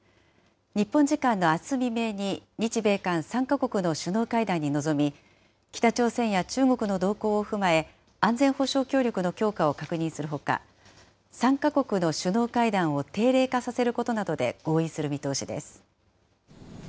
日本時間のあす未明に日米韓３か国の首脳会談に臨み、北朝鮮や中国の動向を踏まえ、安全保障協力の強化を確認するほか、３か国の首脳会談を定例化させることなどで合意する見通しです。